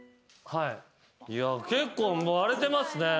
結構割れてますね。